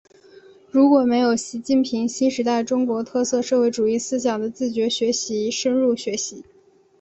如果没有对习近平新时代中国特色社会主义思想的自觉学习深入学习